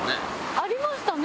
ありましたね。